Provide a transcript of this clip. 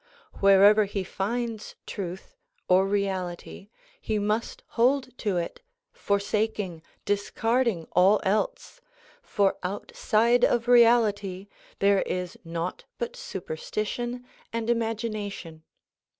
Wherever he finds tiiith or reality he nnist hold to it, forsaking, discarding all else, for outside of reality there is naught but superstition and imagination.